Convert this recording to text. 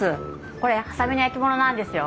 これ波佐見の焼き物なんですよ。